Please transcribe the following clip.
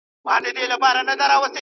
شخصي هڅي د پرمختګ لامل ګرځي.